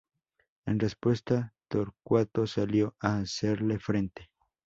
En respuesta, Torcuato salió a hacerle frente.